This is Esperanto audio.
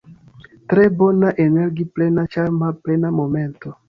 Tre bona energi-plena ĉarma plena momento